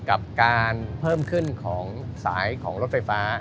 กับการเพิ่มขึ้นของสายของรถไฟฟ้า